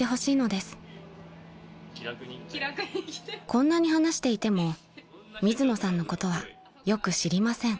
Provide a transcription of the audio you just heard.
［こんなに話していても水野さんのことはよく知りません］